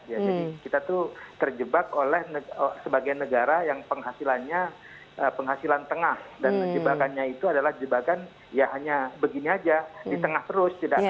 jadi kita tuh terjebak oleh sebagai negara yang penghasilannya penghasilan tengah dan jebakannya itu adalah jebakan ya hanya begini aja di tengah terus tidak ke atas